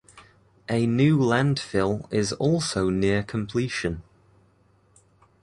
A new landfill is also near completion.